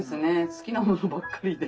好きなものばっかりで。